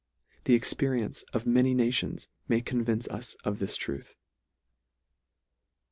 The experience of many nations may convince us of this truth.